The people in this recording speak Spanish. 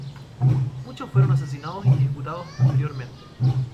Muchos fueron asesinados y ejecutados posteriormente.